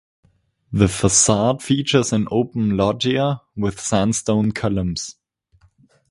The facade features an open loggia with sandstone columns.